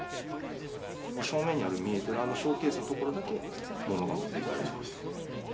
正面に見えているあのショーケースの所だけ、物が持っていかれてました。